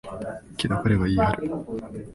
けど、彼は言い張る。